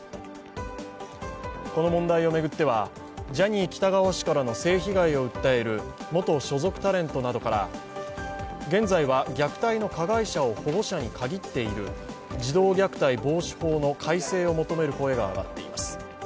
この問題を巡ってはジャニー喜多川氏からの性被害を訴える元所属タレントなどから現在は虐待の加害者を保護者に限っている児童虐待防止法の改正を求める声が上がっています。